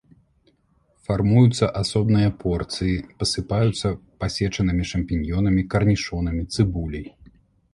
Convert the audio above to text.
Фармуюцца асобныя порцыі, пасыпаюцца пасечанымі шампіньёнамі, карнішонамі, цыбуляй.